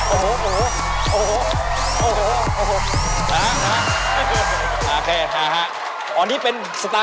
โอ้โหโอ้โห